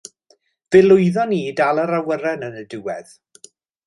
Fe lwyddon ni i ddal yr awyren yn y diwedd.